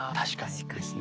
そうですね。